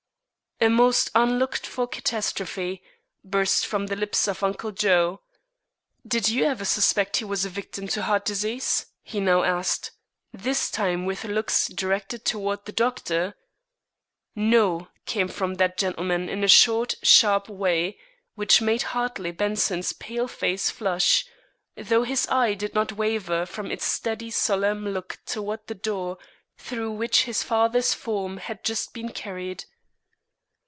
"A most unlooked for catastrophe," burst from the lips of Uncle Joe. "Did you ever suspect he was a victim to heart disease?" he now asked, this time with looks directed toward the doctor. "No," came from that gentleman in a short, sharp way, which made Hartley Benson's pale face flush, though his eye did not waver from its steady solemn look toward the door through which his father's form had just been carried.